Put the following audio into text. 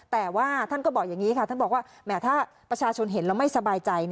แต่ว่าท่านก็บอกอย่างนี้ค่ะท่านบอกว่าแหมถ้าประชาชนเห็นแล้วไม่สบายใจ